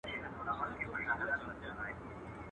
پټه خوله اقرار دئ.